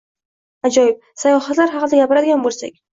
— Ajoyib! Sayohatlar haqida gapiradigan boʻlsak.